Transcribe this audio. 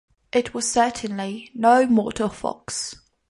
It was certainly no mortal fox.